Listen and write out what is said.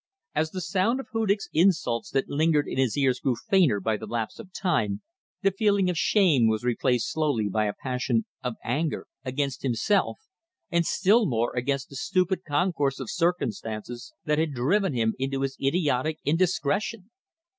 As the sound of Hudig's insults that lingered in his ears grew fainter by the lapse of time, the feeling of shame was replaced slowly by a passion of anger against himself and still more against the stupid concourse of circumstances that had driven him into his idiotic indiscretion.